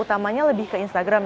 utamanya lebih ke instagram